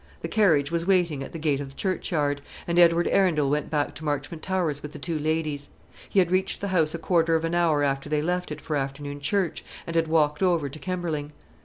The carriage was waiting at the gate of the churchyard, and Edward Arundel went back to Marchmont Towers with the two ladies. He had reached the house a quarter of an hour after they had left it for afternoon church, and had walked over to Kemberling.